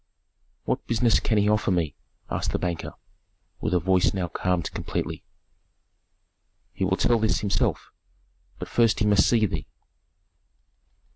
"What business can he offer me?" asked the banker, with a voice now calmed completely. "He will tell this himself, but first he must see thee."